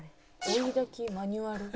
「おいだきマニュアル」。